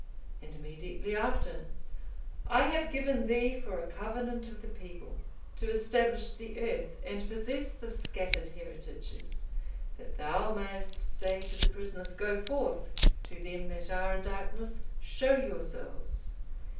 '(505) And immediately after, 'I have given thee for a covenant of the people, to establish the earth, and possess the scattered heritages; that thou mayest say to the prisoners, Go forth; to them that are in darkness, Show yourselves.